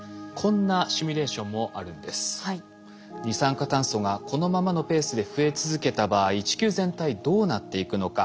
二酸化炭素がこのままのペースで増え続けた場合地球全体どうなっていくのか。